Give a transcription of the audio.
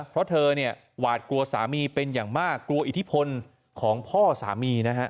เพราะเธอเนี่ยหวาดกลัวสามีเป็นอย่างมากกลัวอิทธิพลของพ่อสามีนะฮะ